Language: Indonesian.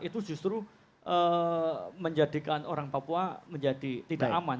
itu justru menjadikan orang papua menjadi tidak aman